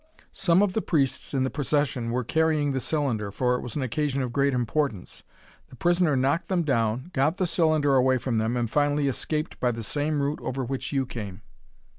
Some of the priests in the procession were carrying the cylinder, for it was an occasion of great importance. The prisoner knocked them down, got the cylinder away from them, and finally escaped by the same route over which you came."